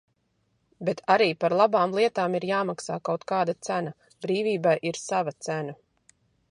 Bet arī par labām lietām ir jāmaksā kaut kāda cena. Brīvībai ir sava cena.